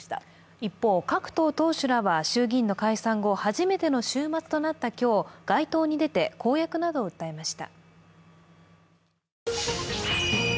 一方、各党党首らは衆議院の解散後、初めての週末となった今日街頭に出て、公約などを訴えました。